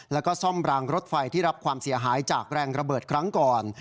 แล้วก็ซ่อมรางรถไฟที่รับความเสียหายจากแรงระเบิดครั้งก่อน